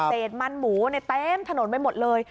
เตรียดมันหมูในเต็มถนนไปหมดเลย